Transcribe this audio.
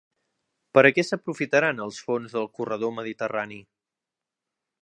Per a què s'aprofitaran els fons del corredor mediterrani?